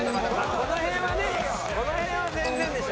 この辺は全然でしょ。